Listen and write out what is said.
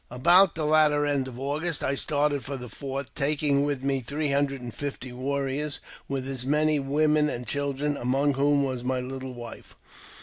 About the latter end of August I started for the fort, taking with me three hundred and fifty warriors, with as many women and children, among whom was my little wife.